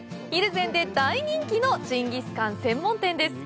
蒜山で大人気のジンギスカン専門店です。